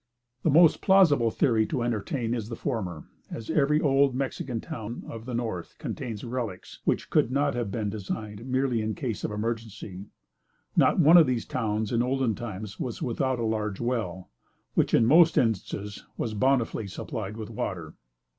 The most plausible theory to entertain is the former, as every old Mexican town of the north contains relics which could not have been designed merely in case of an emergency. Not one of these towns in olden times was without a large well, which, in most instances, was bountifully supplied with water.